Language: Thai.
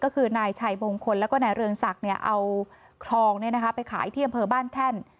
ก็คือนายชัยมงคลแล้วก็นายเรืองศักดิ์เอาคลองไปขายที่อำเภอบ้านแท่น